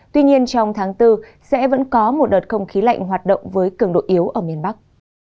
tuy nhiên trong tháng bốn sẽ vẫn có một đợt không khí lạnh hoạt động với cường độ yếu ở miền bắc